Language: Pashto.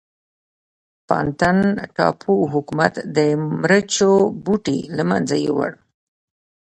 بانتن ټاپو حکومت د مرچو بوټي له منځه یووړل.